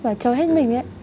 và chơi hết mình ấy